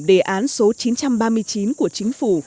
đề án số chín trăm ba mươi chín của chính phủ